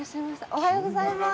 おはようございます！